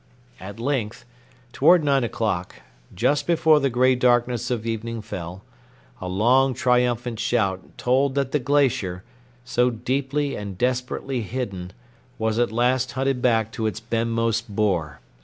At length, toward nine o'clock, just before the gray darkness of evening fell, a long, triumphant shout told that the glacier, so deeply and desperately hidden, was at last hunted back to its benmost bore.